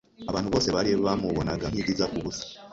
Abantu bose bari bamubonaga nkibyiza-kubusa.